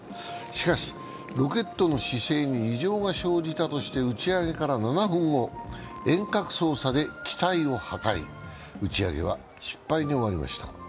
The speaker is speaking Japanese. しかし、ロケットの姿勢に異常が生じたとして打ち上げから７分後遠隔操作で機体を破壊、打ち上げは失敗に終わりました。